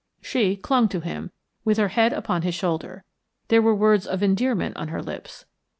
She clung to him, with her head upon his shoulder; there were words of endearment on her lips.